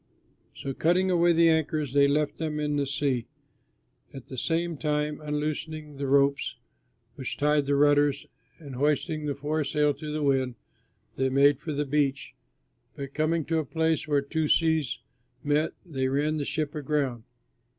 So cutting away the anchors they left them in the sea. At the same time unloosing the ropes which tied the rudders and hoisting the foresail to the wind, they made for the beach; but coming to a place where two seas met they ran the ship aground.